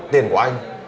tiền của anh